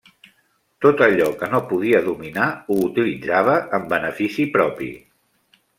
Tot allò que no podia dominar ho utilitzava en benefici propi.